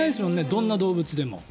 どんな動物でも。